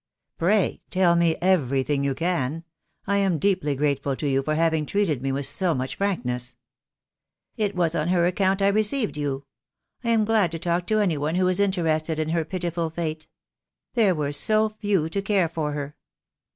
"Pray, tell me everything you can. I am deeply grateful to you for having treated me with so much frank ness." "It was on her account I received you. I am glad to talk to any one who is interested in her pitiful fate. There were so few to care for her.